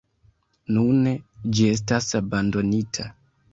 Nune ĝi estas abandonita.